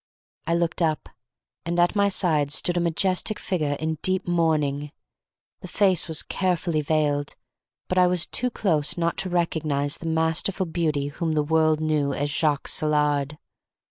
I looked up, and at my side stood a majestic figure in deep mourning. The face was carefully veiled, but I was too close not to recognize the masterful beauty whom the world knew as Jacques Saillard.